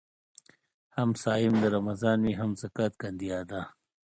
هم صايم د رمضان وي هم زکات کاندي ادا